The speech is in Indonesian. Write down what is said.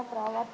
ibu perawat ada